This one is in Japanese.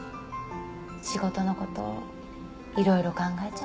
仕事の事いろいろ考えちゃって。